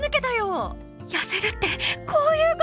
「痩せるってこういうことなんだ！